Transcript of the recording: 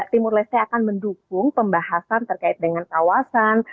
timur leste akan mendukung pembahasan terkait dengan kawasan